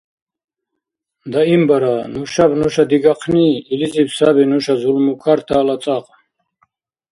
Даимбара! Нушаб нуша дигахъни, - илизиб саби нуша зулмукартала цӀакь.